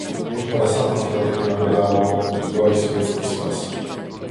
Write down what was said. Od padesátých let je k nám dodával bývalý Sovětský svaz.